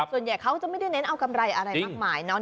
ส่วนใหญ่เขาจะไม่ได้เน้นเอากำไรอะไรมากมายเนาะ